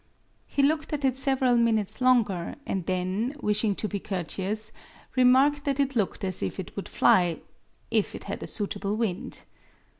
He looked at it several minutes longer and then, wishing to be courteous, remarked that it looked as if it would fly, if it had a "suitable wind."